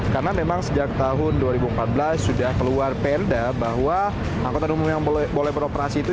karena memang sejak tahun dua ribu empat belas sudah keluar perda bahwa angkotan umum yang boleh beroperasi itu